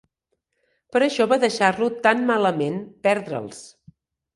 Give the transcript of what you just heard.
Per això va deixar-lo tan malament perdre'ls.